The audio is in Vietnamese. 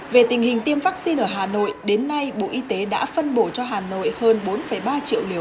về tình hình tiêm vaccine ở hà nội đến nay bộ y tế đã phân bổ cho hà nội hơn bốn ba triệu liều